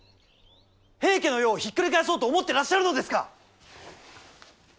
平家の世をひっくり返そうと思ってらっしゃるのですか！